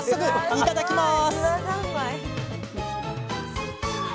いただきます。